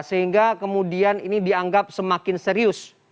sehingga kemudian ini dianggap semakin serius